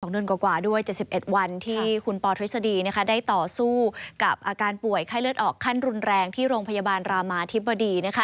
เดือนกว่าด้วย๗๑วันที่คุณปอทฤษฎีได้ต่อสู้กับอาการป่วยไข้เลือดออกขั้นรุนแรงที่โรงพยาบาลรามาธิบดี